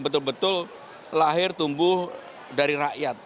betul betul lahir tumbuh dari rakyat